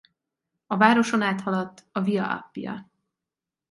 A városon áthaladt a Via Appia.